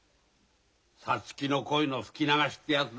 「五月の鯉の吹き流し」ってやつだ。